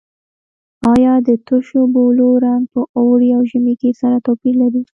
آیا د تشو بولو رنګ په اوړي او ژمي کې سره توپیر لري؟